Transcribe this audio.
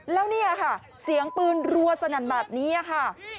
แล้วเนี่ยค่ะเสียงปืนรัวสนั่นแบบนี้ค่ะ